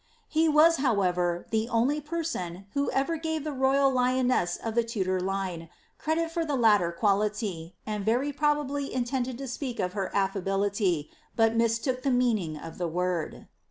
"' He was, however, the only person, who ever gave the royal lioness of the Tudor line, credit for the latter quality, and very probably intended to speak of her afi&bility, but mistook tlie meaning of the word.